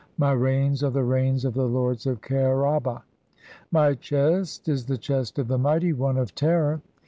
My reins are the reins of the "Lords of Kher aba. My chest is the chest of the Mighty one "of Terror.